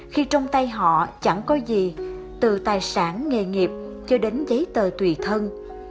khi trong tay họ chẳng có gì từ tài sản nghề nghiệp cho đến giấy tờ tùy thân